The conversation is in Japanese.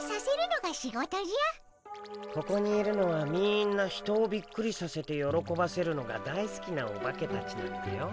ここにいるのはみんな人をびっくりさせてよろこばせるのが大好きなオバケたちなんだよ。